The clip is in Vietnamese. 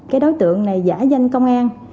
cái đối tượng này giả danh công an